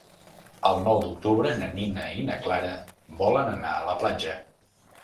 El nou d'octubre na Nina i na Clara volen anar a la platja.